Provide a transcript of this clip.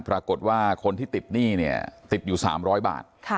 ปรากฏว่าคนที่ติดหนี้เนี่ยติดอยู่๓๐๐บาท